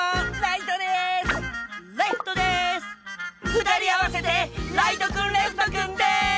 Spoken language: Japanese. ふたりあわせてライトくんレフトくんです！